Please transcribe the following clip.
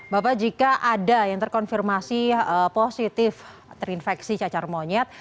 bapak jika ada yang terkonfirmasi positif terinfeksi cacar monyet